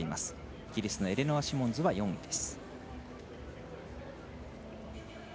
イギリスのエレノア・シモンズ４位です。